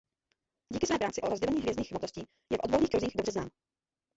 Díky své práci o rozdělení hvězdných hmotností je v odborných kruzích dobře znám.